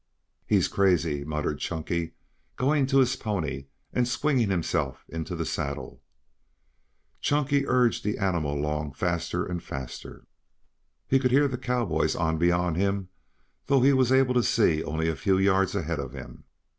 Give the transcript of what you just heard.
"He's crazy," muttered Chunky, going to his pony and swinging himself into the saddle. Chunky urged the animal along faster and faster. He could hear the cowboys on beyond him though he was able to see only a few yards ahead of him.